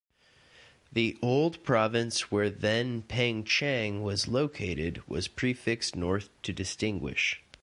The old province where then Pengcheng was located was prefixed "North" to distinguish.